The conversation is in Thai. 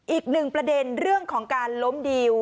อีกหนึ่งประเด็นเรื่องของการล้มดิว